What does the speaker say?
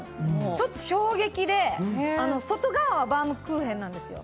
ちょっと衝撃で外側はバウムクーヘンなんですよ。